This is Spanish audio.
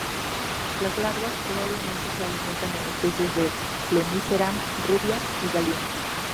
Las larvas probablemente se alimentan en especies de "Lonicera", "Rubia" y "Galium".